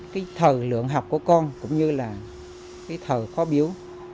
cái thờ lượng học của con cũng như là cái thờ khó biếu